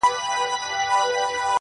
غازیان به نمانځي پردي پوځونه -